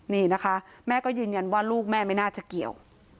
นี่นะคะแม่ก็ยืนยันว่าลูกแม่ไม่น่าจะเกี่ยว